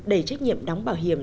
đầy trách nhiệm đóng bảo hiểm